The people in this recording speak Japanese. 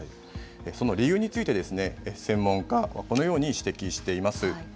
その理由について、専門家はこのように指摘しています。